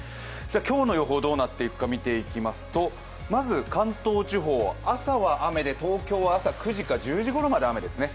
今日の予報、どうなっていくか見ていきますとまず関東地方は朝は雨で東京は朝９時から１０時頃まで雨ですね。